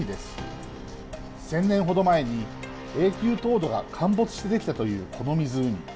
１，０００年ほど前に永久凍土が陥没してできたというこの湖。